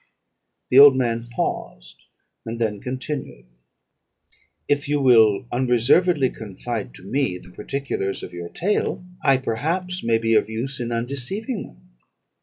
"The old man paused, and then continued, 'If you will unreservedly confide to me the particulars of your tale, I perhaps may be of use in undeceiving them.